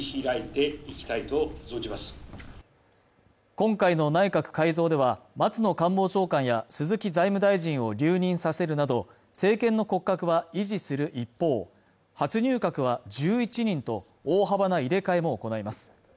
今回の内閣改造では松野官房長官や鈴木財務大臣を留任させるなど政権の骨格は維持する一方初入閣は１１人と大幅な入れ替えも行います